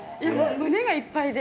胸がいっぱいで。